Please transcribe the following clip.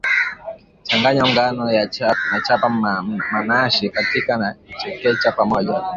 changanya ngano na chapa manaashi katika na chekecha pamoja